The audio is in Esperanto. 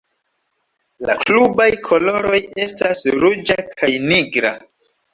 La klubaj koloroj estas ruĝa kaj nigra.